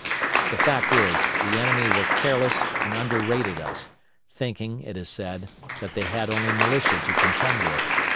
The fact is, the enemy were careless and underrated us, thinking, it is said, that they had only militia to contend with.